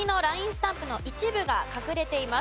スタンプの一部が隠れています。